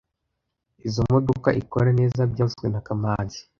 Izoi modoka ikora neza byavuzwe na kamanzi